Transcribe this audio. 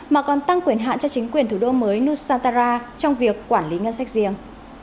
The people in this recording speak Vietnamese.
mà còn tăng quyền hạn cho chính quyền thủ đô mới nusantara trong việc quản lý ngân sách riêng